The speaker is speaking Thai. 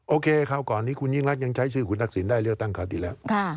คราวก่อนนี้คุณยิ่งรักยังใช้ชื่อคุณทักษิณได้เลือกตั้งคราวที่แล้ว